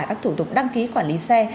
các thủ tục đăng ký quản lý xe